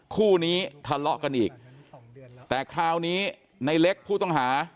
คู่นี้ทะเลาะกันอีกแต่คราวนี้ในเล็กผู้ต้องหา